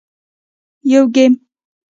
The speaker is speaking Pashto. - یو ګېم 🎮